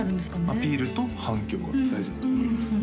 アピールと反響が大事だと思います